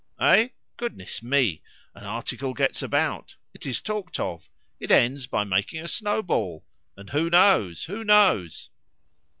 Eh! goodness me! an article gets about; it is talked of; it ends by making a snowball! And who knows? who knows?"